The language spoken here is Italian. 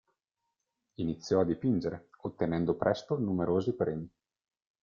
Iniziò a dipingere, ottenendo presto numerosi premi.